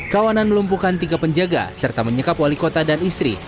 kawanan melumpuhkan tiga penjaga serta menyekap wali kota dan istri